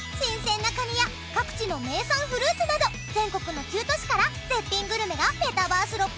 新鮮なカニや各地の名産フルーツなど全国の９都市から絶品グルメがメタバース六本木に集結！